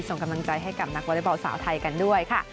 ส่งกำลังใจให้กับนักวอเล็กบอลสาวไทยกันด้วยค่ะ